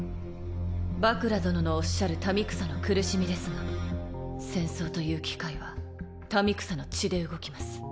バクラ殿のおっしゃる民草の苦しみですが戦争という機械は民草の血で動きます。